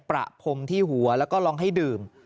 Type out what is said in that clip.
ประพรมที่หัวแล้วก็ลองให้ดื่ม